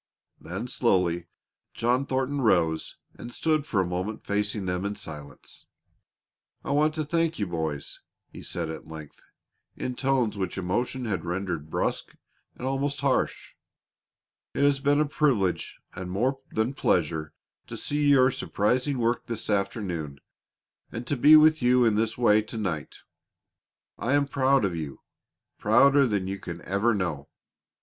Then slowly John Thornton rose and stood for a moment facing them in silence. "I want to thank you, boys," he said at length, in tones which emotion had rendered brusk and almost harsh. "It it has been a privilege and more than pleasure to see your surprising work this afternoon and to be with you in this way to night. I am proud of you prouder than you can ever know.